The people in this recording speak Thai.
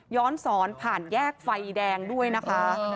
สอนผ่านแยกไฟแดงด้วยนะคะ